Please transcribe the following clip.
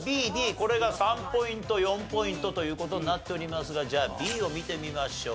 これが３ポイント４ポイントという事になっておりますがじゃあＢを見てみましょう。